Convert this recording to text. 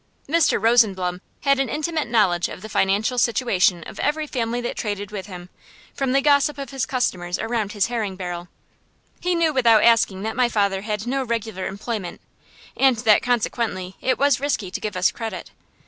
Mr. Rosenblum had an intimate knowledge of the financial situation of every family that traded with him, from the gossip of his customers around his herring barrel. He knew without asking that my father had no regular employment, and that, consequently, it was risky to give us credit.